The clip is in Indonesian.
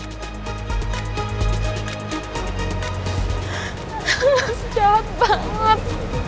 mas jahat banget